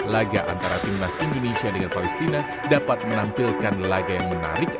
laga antara timnas indonesia dengan palestina dapat menampilkan laga yang menarik